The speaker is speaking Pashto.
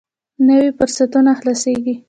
نوي فرصتونه خلاصېږي.